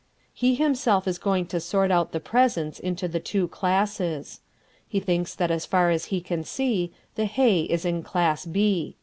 He himself is going to sort out the presents into the two classes. He thinks that as far as he can see, the Hay is in class B.